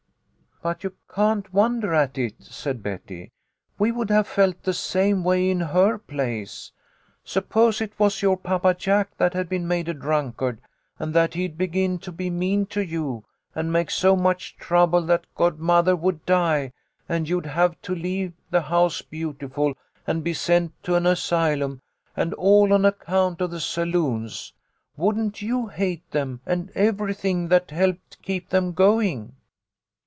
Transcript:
"But you can't wonder at it," said Betty. "We would have felt the same way in her place. Sup MOLLY'S STORY. 87 pose it was your Papa Jack that had been made a drunkard, and that he'd begin to be mean to you, and make so much trouble that godmother would die, and you'd have to leave the House Beautiful and be sent to an asylum, and all on account of the saloons. Wouldn't you hate them and everything that helped keep them going